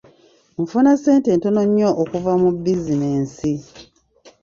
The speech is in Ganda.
Nfuna ssente ntono nnyo okuva mu bizinensi.